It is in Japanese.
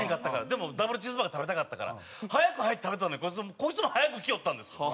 でもダブルチーズバーガー食べたかったから早く入って食べたのにこいつも早く来よったんです。